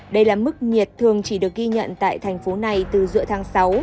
đây là mức nhiệt thường chỉ được ghi nhận tại thành phố này từ giữa tháng sáu